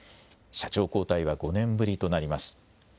社長交代は５年ぶりとなります。